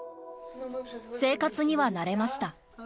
生活には慣れました。